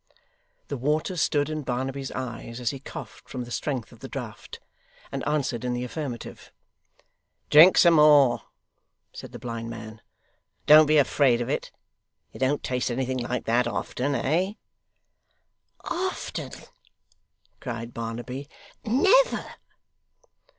The water stood in Barnaby's eyes as he coughed from the strength of the draught, and answered in the affirmative. 'Drink some more,' said the blind man; 'don't be afraid of it. You don't taste anything like that, often, eh?' 'Often!' cried Barnaby. 'Never!